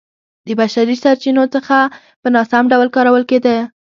د بشري سرچینو څخه په ناسم ډول کارول کېده